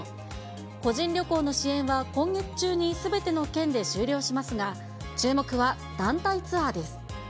個人旅行の支援は今月中にすべての県で終了しますが、注目は団体ツアーです。